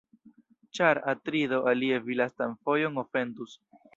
Ĉar, Atrido, alie vi lastan fojon ofendus.